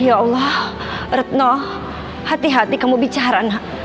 ya allah retno hati hati kamu bicara nak